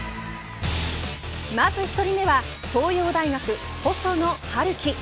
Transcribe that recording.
まず１人目は東洋大学細野晴希。